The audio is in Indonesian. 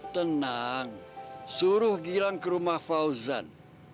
tenang suruh gilan ke rumah fauzan